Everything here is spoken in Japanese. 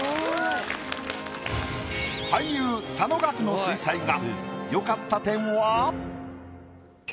俳優佐野岳の水彩画。